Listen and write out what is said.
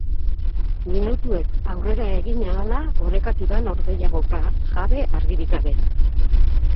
Minutuek aurrera egin ahala orekatu da norgehiagoka, jabe argirik gabe.